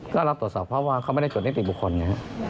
แล้วเราตรวจสอบว่าเขาไม่ได้จ่นนิติบุคคลเนี่ย